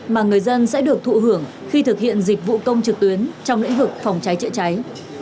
mà người dân sẽ được thụ hưởng khi thực hiện dịch vụ công trực tuyến trong lĩnh vực phòng cháy chữa cháy